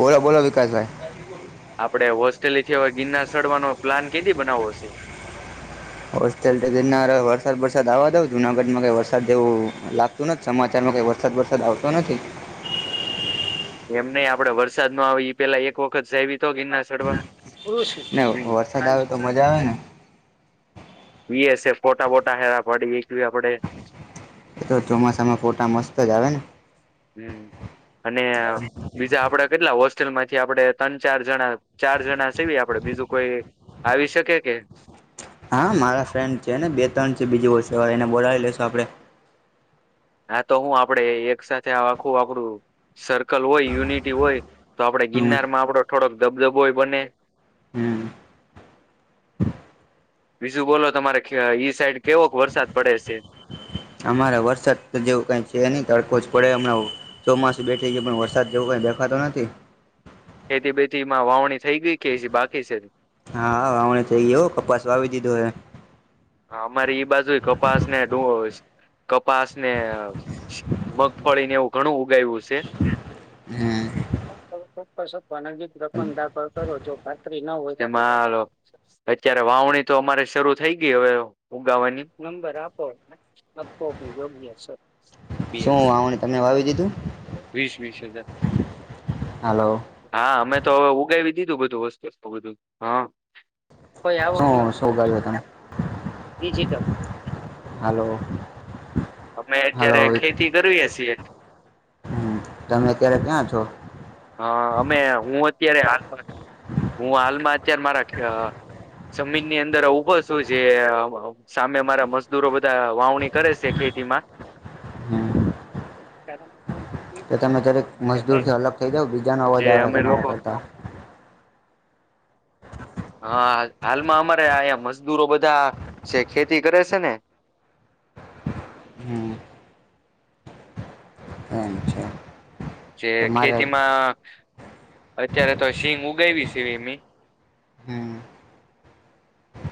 બોલા બોલા વિકાસ ભાઈ આપડે હોસ્ટેલીથી હવે ગિરના સડવાનો પ્લાન કેધી બનાવવો હશે હોસ્ટેલ વરસાદ વરસાદ આવવા દઉ જુનાગઢ માં કઈ વરસાદ જેવું લાગતું નથી સમાચાર વરસાદ વરસાદ આવતો નથી એમ નઈ આપડે વરસાદ ન આવે ઈ પેલા એક વખત જઈ આવી તો ગિરનાર ચડવા. ને વરસાદ આવે તો [unintelligible] મજા આવે ને બીએસે ફોટા મોટા હેરા પાડી એકવી આપડે એ તો ચોમાસામાં ફોટા મસ્ત જ આવે ને હમ અને બીજા આપડે કેટલા હોસ્ટેલમાંથી આપણે ત્રણ ચાર જણા ચાર જણા સવી આપડે બીજું કોઈ આવી શકે કે હા મારા ફ્રેન્ડ છે ને બે ત્રણ છે બીજું વષવા એને બોલાવી લેશું આપડે હા તો હું આપડે એક સાથે આખું આપડું સર્કલ હોય યુનિટી હોય તો આપડે હમ ગિરનારમાં આપડો થોડોક ધબધબોય બને હમ્મ. બીજું બોલો તમારે ઈ સાઈડ કેવોક વરસાદ પડે છે અમારે વરસાદ જેવું કઈ છે નહી તડકો જ પડે હમણાં ચોમાસું બેઠી ગયો પણ વરસાદ જેવું હોય દેખાતો નથી ખેતી બેેથી માં વાવણી થઈ ગઈ કે હજી બાકી છે? હા વાવણી થઈ ગઈ હો કપાસ વાવી દીધો હે હ અમારી એઈ બાજુ કપાસ ને ડોજ કપાસ ને મગફળીને એવું ઘણું ઉગાયવુ છે હા ચોક્કસ અથવા નજીક રકમ દાખલ કરો જો ખાતરી ના હોય તો. [unintelligible] વાવણી તો અમારે શરૂ થઈ ગી હવે ઉગાવાની નંબર આપોપગી સર શું વાવણી તમે વાવી દીધું? વીસ વીસ હજાર હાલો હા અમે તો હવે ઉગાવી દીધું બધું વસ્તુસ્ત બધું હા શું શું ઉગાવ્યું તને? જીત હલો અમે અત્યારે ખેતી કરીએ છીએ હમ તમે અત્યારે ક્યાં છો? હા અમે હું અત્યારે હાલમાં હું હાલમાં અત્યારે મારા જમીનની અંદર ઉભો છું જે સામે મારા મજદૂરો બધા વાવણી કરે છે ખેતીમાં હમ્મ. [unintelligible] તો તમે દરેક મજદૂર થી અલગ થઈ જાવ બીજાનો અવાજ જે આવે અમે તમારા લોકો કરતા હા હાલમાં અમારે અહીંયા મજદૂરો બધા જે ખેતી કરે છે ને હમ્મ. જે તો મારે ખેતીમાં અત્યારે તો શિંગ ઉગાવવી સે અમે હમ [unintelligible]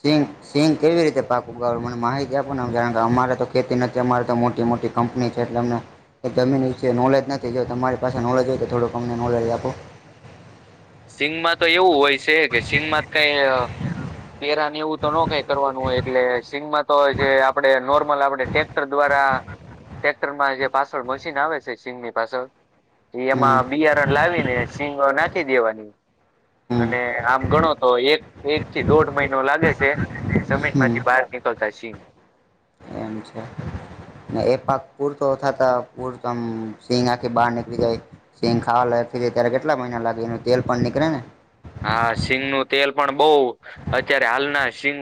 સિંગ સિંગ કેવી રીતે પાક ઉગાડે મને માહિતી આપોને કારણ કે અમારે તો ખેતી નથી અમારે તો મોટી મોટી કંપની છે એટલે અમને એક જમીન ય છેે નોલેજ નથી જો તમારી પાસે નોલેજ હોય તો થોડુંક અમને નોલેજ આપો સિંગમાં તો એવું હોય છે કે સિંગ માં કઈ તેરા ને એવું તો ન કઈ કરવાનું હોય એટલે સિંગમાં તો જે આપડે નોર્મલ આપડે ટ્રેક્ટર દ્વારા ટેક્ટરમાં જે પાછળ મશીન આવે છે સિંગની પાછળ હમ એમાં બિયારણ લાવી ને શીંગો નાખી દેવાની હ [unintelligible] અને આમ ગણો તો એક એક થી દોઢ મહિનો લાગે છે. હમ જમીનમાંથી બહાર નીકળતા સિંગ એમ છે. ને એ પાક પૂરતોતા ત પૂરમ સિંગ આખી બહાર નનીકળી જાય સિંગ ખાવા લ ત્યારે કેટલા મહિના લાગે એનું તેલ પણ નીકળે ને હા સિંગનું તેલ પણ બહ અત્યારે હાલના શિંગ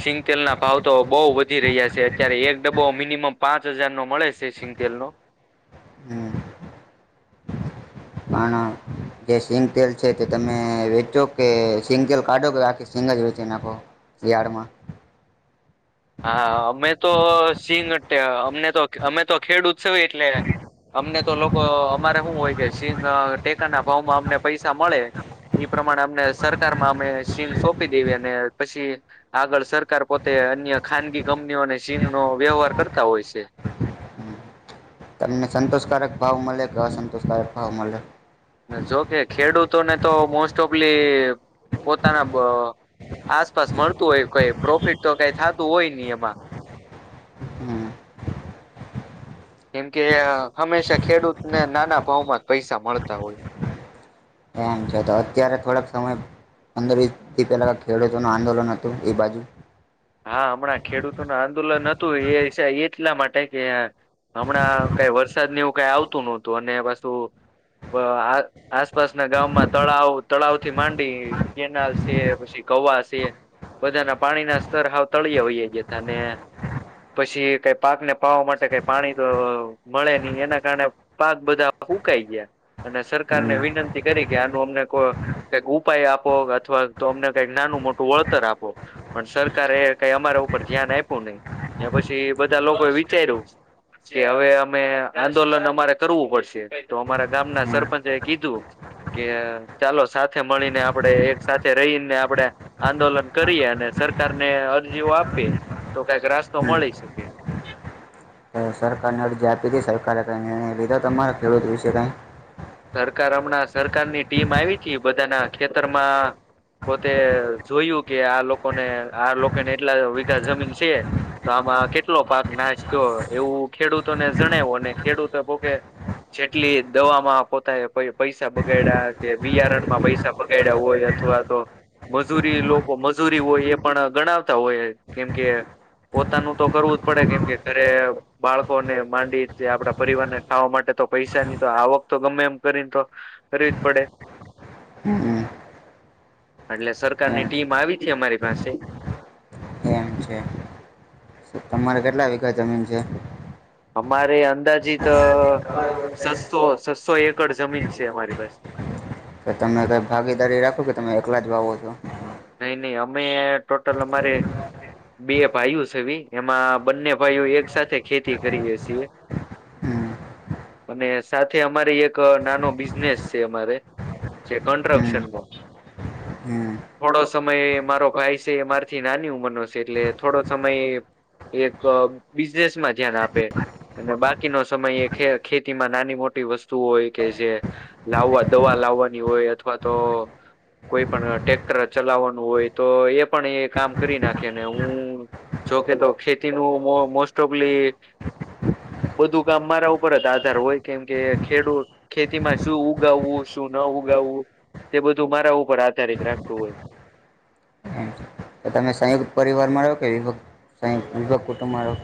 શિંગતેલ ના ભાવ તો બહઉ વધી રહ્યા છે અત્યારે એક ડબ્બો મિનિમમ પાંચ હજાર નો મળે છે. તેલ નો [unintelligible] પણ જે સિંગતેલ છે તે તમે વેચો કે સિંગતેલ કાઢો કે આખ સિંગ જ વચી નાખો રિયાળમાં હા અમે તો સિંગ અમને તો અમે તો ખેડૂત ઉત્સવ એટલે અમને તો લોકો અમારે શું હોય કે સિંગ ટેકા ના ભાવમાં અમને પૈસા મળે ઈ પ્રમાણે અમને સરકારમાં અમે સીન સોંપી દેવી અને પછી આગળ સરકાર પોતે અન્ય ખાનગી કંપનીઓ અને સિંગ નો વ્યવહાર કરતા હોય છે તમને સંતોષકારક ભાવ મળે કે અસંતોષકારક ભાવ મળે. ચોપલી પોતાના આસપાસ મળતું હોય કઈ પ્રોફિટ તો કઈ થતું હોય નહી એમાં હમ કેમ કે હંમેશા ખેડૂતને નાના ભાવમાં જ પૈસા મળતા હોય ટ છે તો અત્યારે થોડોક સમય અંદરથી પેલા ખેડૂતોનું આંદોલન હતું એ બાજુ હા હમણાં ખેડૂતો ન આંદોલન હતું એ એટલા માટે કે હમણાં કઈ વરસાદ એવું કઈ આવતું નહતું અને પાછું આ આસપાસના ગામમાં તળાવ તળાવ થી માંડી કેનાલ છે પછી. કવાશે બધાના પાણી ના સ્તર હાવ તળીય હોઈએ જે ત ને પછી કઈ પાક ને પાવા માટે કઈ પાણી તો મળે નહી એના કારણે પાક બધા ઉકાઈ ગયા અને હમ સરકારને વિનંતી કરી કે આનું અમને કોક ઉપાય આપો અથવા તો અમને કઈક નાનું મોટું વળતર આપો પણ સરકાર સરકારે કઈ અમારા ઉપર ધ્યાન આપવું નહી એ પછી બધા લોકો એ વિચાર્યું કે હવે અમે આંદોલન અમારે કરવું પડશે તો અમારા ગામના સરપંચ એ કીધું કે ચાલો સાથે મળીને આપડે એક સાથે રહીને આપડણે આંદોલન કરીએ અને સર સરકાર ને અરજીઓ આપે તો કઈક રાસ્તો હમ મળી શકે સરકારને અરજી આપી હતી સરકારે કંઈ નિર્ણય લીધો તમારા ખેડૂત વિશે કઈ સરકાર હમણાં સરકારની ટીમ આવી છે બધાના ખેતરમાં પોતે જોયું કે આ લોકોને આ લોકોને એટલા વીઘા જમીન છે. તો આમાં કેટલો પાક નાશ થ એવું ખેડૂતોને જણાવ્યું અને ખેડૂતો પોકે જેટલી દવામાં પો પૈસા બગાડ્યા કે બિયારણમાં પૈસા બગાડ્યા હોય અથવા તો મજૂરી લોકો મજૂરી હોય એ પણ ગણાવતા હોય કેમકે પોતાનું તો કરવું જ પડે કેમ કે ઘરે બાળકોને માંડી છે આપડા પરિવાર ને ખાવા માટે તો પૈસાની તો આવક તો ગમે એમ કરીને તો કરવી જ પડે. હમ એટલે એમ સરકારની ટીમ આવી હતી અમારી પાસે. તમારે કેટલા વીઘા જમીન છે. અમારે અંદાજી તો સસો સસ્સો એકડ જમીન છે અમારી પાસે. તો તમમે કઈ ભાગીદારી રાખો કે તમે એકલા જ વાવો છો. નઈ નહી અમે ટોટલ અમારે બે ભાઈઓ છેવી એમાં બંને ભાઈઓ એક સાથે ખેતી કરીએ છીએ. હમ. અને સાથે અમારે એક નાનો બિઝનેસ છે અમારે છે હમ કન્સ્ટ્રક્શન નો હમ. થોડો સમય મારો ભાઈ છે મારીથી નાની ઉંમરનો છે એટલે થોડો સમય એક બિઝનેસમાં ધ્યાન આપે અને બાકીનો સમય ખેતીમાં નાની મોટી વસ્તુઓ હોય કે જે લાવવા દવા લાવવાની હોય અથવા તો કોઈ પણ ટેક ટ્રેક્ટર ચલાવવાનું હોય તો એ પણ એ કામ કરી નાખે ને હું. જોકે તો ખેતીનું મોસ્ટઓફલી બધું કામ મારા ઉપર જ આધાર હોય કેમ કે ખેડૂત ખેતીમાં શું ઉગાવવું, શું ન ઉગાવું તે બધું મારા ઉપર આધારિત રાખતું હોય. એમ છે તમે સંયુક્ત પરિવારમાં રહો કે વિભક્ત વિભ કુટુંબમાં રહો.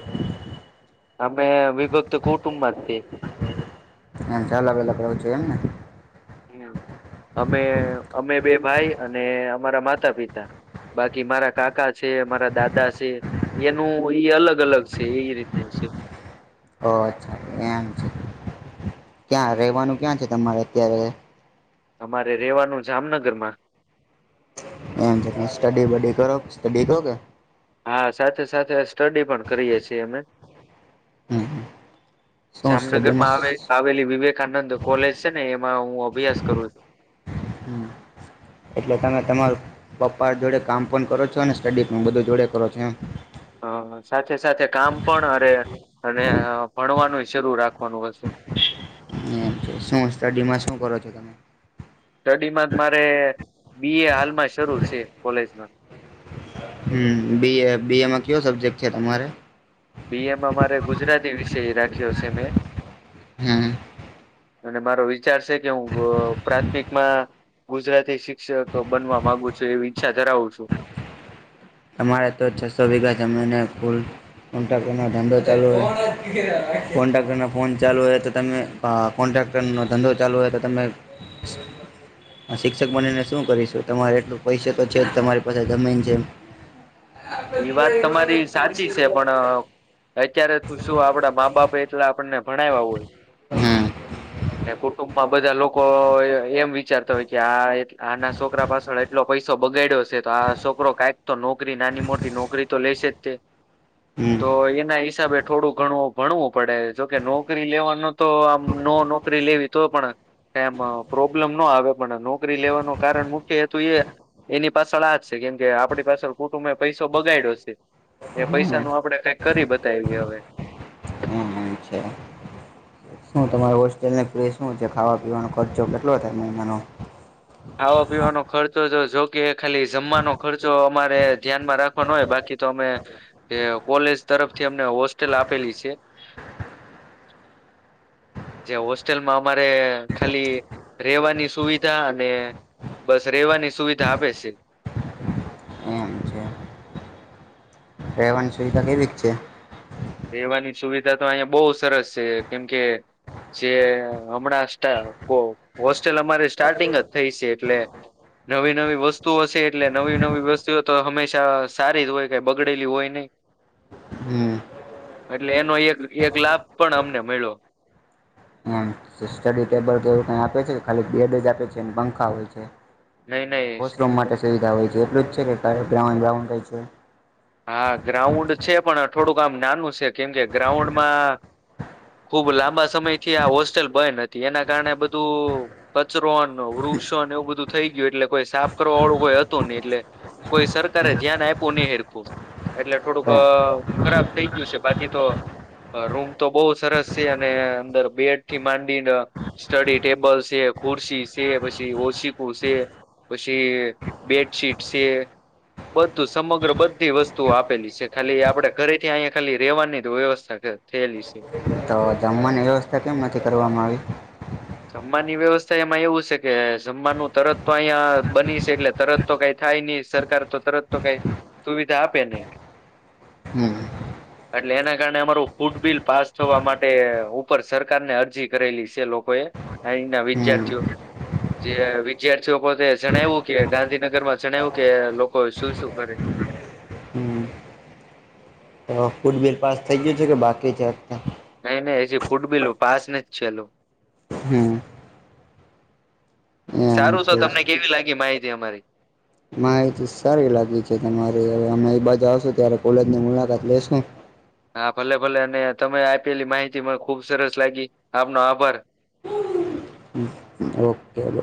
અમે વિભક્ત કુટુંબમાં જ તય એમ અલગ‌અલગ લવ છો એમ ને. અમે અમે બે ભાઈ અને અમારા માતા પિતા બાકી મારા કાકા છે, મારા દાદા છે એનું અલગ અલગ છે એ રીતનું છે. ઓ અચ્છા. એમ છે ક્યાં રહેવાનું ક્યાં છે તમારે અત્યારે? અમારે રેવાનું જામનગરમાં. એમ સ્ટડી બડી કરો, સ્ટડી કરો કે? હા સાથે સાથે સ્ટડી પણ કરીએ છીએ અમે. હમ હમ શું જામનગર સ્ટડીમાં માં આવે આવેલી વિવેક વિવેકાનંદ કોલેજ છે ને, એમાં હું અભ્યાસ કરું છું. હમ એટલે તમે તમાર પપ્પા જોડે કામ પણ કરો છો અને સ્ટડી પણ બધું જોડે કરો છો એમ. હ સાથે સાથે કામ પણ અરે અને ભણવાનું શરૂ રાખવાનું હશે. એમ શું સ્ટડીમાં શું કરો છો તમે? સ્ટડીમાં જ મારે બી એ હાલમાં શરૂ છે કોલેજમાં. હુ બીએ બીએમાં કયો સબ્જેક્ટ છે તમારે? બીએ મારે ગુજરાતી વિષય રાખ્યો છે. મેં. હમ. અને મારો વિચાર છે કે હું પ્રાથમિકમાં ગુજરાતી શિક્ષક બનવા માંગુ છું, એવી ઈચ્છા ધરાવું છું. તમારે તો છસો વીઘા જમીનને ફુલ કોન્ટ્રાક્ટ ધંધો ચાલુ હોય, કોન્ટ્રાક્ટ ના ફોન ચાલુ હોય તો તમે કોન્ટ્રાક્ટ કોન્ટ્રાક્ટ નો ધંધો ચાલુ હોય તો તમે હ શિક્ષક બનીને શું કરીશું તમારે એટલું પૈસે તો છે જ તમારી પાસે જમીન છે. એ વાત તમારી સાચી છે પણ અત્યારે તો શું આપડા મા બાપે એટલા આપણને ભણાયવા હોય. હમ ને કુટુંબ માં બધા લોકો એમ વિચારતા હોય કે આ આના સોકરા પાછળ એટલો પૈસો બગાડ્યો સે તો આ સોકરો કાયક તો નોકરી નાની મોટી નોકરી તો લેશે જ તે, હમ તો એના હિસાબે થોડું ઘણું ભણવું પડે જોકે નોકરી લેવાનો તો આમ નો નોકરી લેવી તો પણ એમ પ્રોબ્લેમ ન આવે પણ નોકરી લેવાનો કારણ મુખ્ય હેતુ એ એની પાછળ આ જ છે કેમ કે આપડી પાછળ કુટુંબ એ પૈસો બગાડો છે એ પૈસા નું આપડે કઇક કરી બતાવીએ હવે હમ અચ્છા શું તમારી હોસ્ટેલની ફી શું છે ખાવા પીવાનો ખર્ચો કેટલો થાય મહિમાનો ખાવા પીવાનો ખર્ચો જોકે ખાલી જમવાનો ખર્ચો અમારે ધ્યાનમાં રાખવાનો હોય બાકી તો અમે કોલેજ તરફથી અમને હોસ્ટેલ આપેલી છે. [inaudible] જે હોસ્ટેલમાં અમારે ખાલી રહેેવાની સુવિધા અને બસ રહેેવાની સુવિધા આપે છે. એમ છે. રેવાની સુવિધા કેવીક છે રેવાની સુવિધા તો અહિયાંયા બહુ સરસ છે કેમ કે જે હમણાં સ્ટા હોસ્ટેલ અમારી સ્ટાર્ટિંગ જ થઈ છે એટલે. નવી નવી વસ્તુ હશે એટલે નવી નવી વસ્તુઓ તો હંમેશા સારી જ હોય કઈ બગડેલી હોય નઈ [inaudible] હમ્મ. એટલે એનો એક એક લાભ પણ અમને મળ્યો એમ સ્ટડી ટેબલ કે એવું કઈ આપે છે ખાલી બેડ જ આપે છે પંખા હોય છે. નહી વોશરૂમ માટે નહી સુવિધા હોય છે એટલું જ છે કે ગ્રાઉન્ડ બ્રાઉન્ડ કઈ છે હા ગ્રાઉન્ડ છે પણ થોડુંક આમ નાનું છે કેમ કે ગ્રાઉન્ડમાં ખુબ લાંબા સમય થી આ હોસ્ટેલ બંધ હતી એના કારણે બધું કચરો વૃક્ષોને એવું બધું થઈ ગયું એટલે કોઈ સાફ કરવા વાળું કોઈ હતું નય એટલે કોઈ સરકારે ધ્યાન આપવ્યું નહી હેરખું. એટલે થોડુંક છે. ખરાબ થઈ ગયું છે બાકી તો રૂમ તો બો સરસ છે અને અંદર બેડ થી માંડીને સ્ટડી ટેબલ છે ખુરશી સે પસી ઓશકુ સે પછી બેડશીટ સે બધું સમગ્ર બધી વસ્ તુ આપેલી સે ખાલી આપણેે ઘરેથી અહીંયા ખાલી રેવાની વ્યવસ્થા થયેલી સે તો જમવાની વ્યવસ્થા કેમ નથી કરવામાં આવી જમવાની વ્યવસ્થા એમાં એવું છે કે જમવાનું તરત તો અહિયા બની છે એટલે તરત તો કઈ થાય નઈ સરકાર તો તરત તો કઈ સુવિધા આપે નહી. હમ્મ. એટલે એના કારણે અમારું ફૂડ બિલ પાસ થવા માટે ઉપર સરકાર ને અરજી કરેલી છે લોકો એ આયના હમ વિદ્યાર્થીઓ જે વિદ્યાર્થીઓ પોતે જણાવ્યું કે ગાંધીનગર માં જણાવ્યું કે લોકો શું શું કરે. હ તો ફુલબિલ પાસ થઇ ગયું છે કે બાકી છે. ને ફૂટબિલ પાસ ન જ છેલું હમ્મ. સારું તો છે. તમને કેવી લાગી માહિતી અમારી માહિતી સારી લાગી છે તમારી અમે બાજુ આવશું ત્યારે કોલેજની મુલાકાત લેશું. હા ભલે ભલે અને તમે આપેલી માહિતી મને ખુબ સરસ લાગી આપનો આભાર. Okay okay